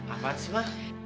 apaan sih mas